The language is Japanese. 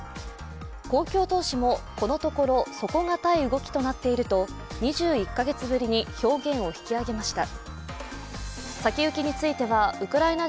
公共投資も、このところ底堅い動きとなっていると２１カ月ぶりに表現を引き上げました。